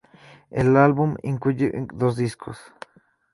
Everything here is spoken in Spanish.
El álbum incluye dos discos.